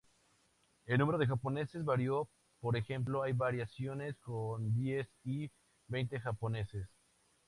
El número de japoneses varió, por ejemplo hay variaciones con diez y veinte japoneses.